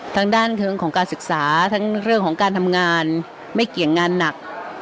ทางด้านเทิงของการศึกษาทั้งเรื่องของการทำงานไม่เกี่ยงงานหนัก